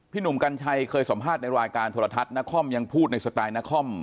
หนุ่มกัญชัยเคยสัมภาษณ์ในรายการโทรทัศน์นครยังพูดในสไตล์นคร